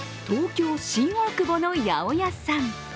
東京・新大久保の八百屋さん。